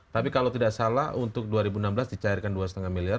tapi kalau tidak salah untuk dua ribu enam belas dicairkan dua lima miliar